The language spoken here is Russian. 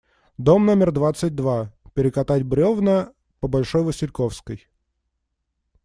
Дом номер двадцать два, перекатать бревна, по Большой Васильковской.